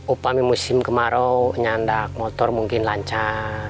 upah musim kemarau nyandak motor mungkin lancar